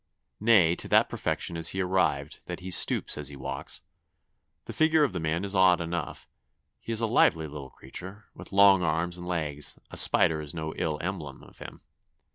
Nay, to that perfection is he arrived, that he stoops as he walks. The figure of the man is odd enough; he is a lively little creature, with long arms and legs: a spider is no ill emblem of him.